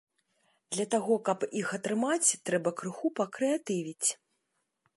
Для таго, каб іх атрымаць, трэба крыху пакрэатывіць!